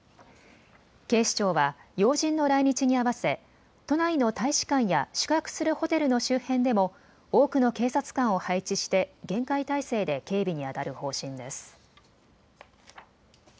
警視庁は要人の来日に合わせ都内の大使館や宿泊するホテルの周辺でも多くの警察官を配置して厳戒態勢で警備にあたる方針です。